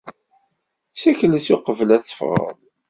Sekles uqbel ad teffɣeḍ.